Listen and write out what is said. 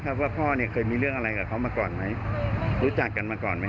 ฝากให้รีบดำเนินคดีนะคะให้เร็วที่สุดเลยเพราะว่าคือรถพ่อหนูก็พังพ่อหนูก็เจ็บ